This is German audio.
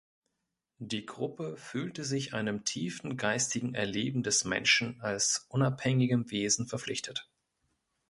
Die Gruppe fühlte sich einem tiefen geistigen Erleben des Menschen als unabhängigem Wesen verpflichtet.